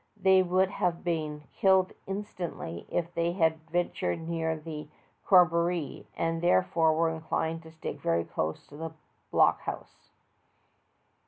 They would have been killed instantly if they had ventured near the cor roboree, and therefore were inclined to vStick very close to the block homse.